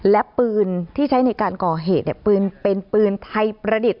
และปืนที่ใช้ในการก่อเหตุเป็นปืนไทยประดิษฐ์